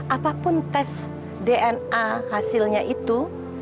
apapun tes dna hasilnya itu